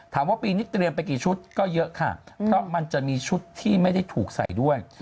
ถามว่าปีนี้เตรียมไปกี่ชุดก็เยอะค่ะเพราะมันจะมีชุดที่ไม่ได้ถูกใส่ด้วย